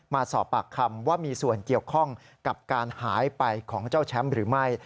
มาสอบปากคำว่ามีส่วนเกี่ยวข้องกับการหายไปของเจ้าแชมป์หรือไม่